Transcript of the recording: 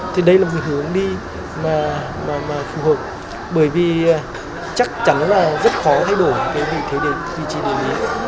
thì đây là một hướng đi mà phù hợp bởi vì chắc chắn là rất khó thay đổi cái vị thế vị trí địa lý